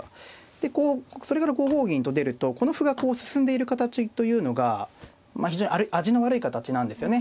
でこうそれから５五銀と出るとこの歩がこう進んでいる形というのが非常に味の悪い形なんですよね。